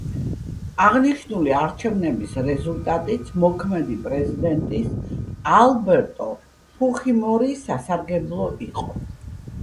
აღნიშნული არჩევნების რეზულტატიც მოქმედი პრეზიდენტის ალბერტო ფუხიმორის სასარგებლო იყო.